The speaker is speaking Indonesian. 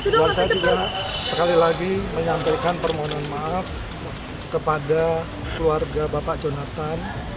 saya juga sekali lagi menyampaikan permohonan maaf kepada keluarga bapak jonathan